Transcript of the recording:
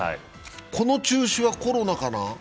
この中止はコロナかな？